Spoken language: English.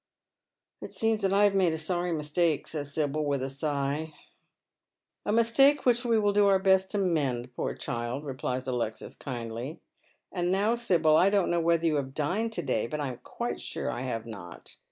" It seems that I have made a sorry mistake," says Sibyl, with a sigh. " A mistake which we will do our best to mend, poor child," replies Alexis, kindly. " And now, Sibyl, I don't know whether you have dined to day, but I am quite sure I have not.